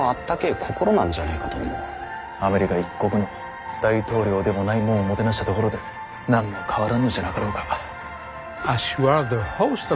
アメリカ一国の大統領でもないもんをもてなしたところで何も変わらんのじゃなかろうか。